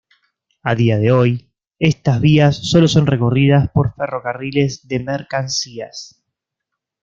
A día de hoy estas vías solo son recorridas por ferrocarriles de mercancías.